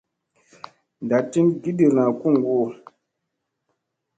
Ndaɗ tin giɗirna kuŋgu hoo.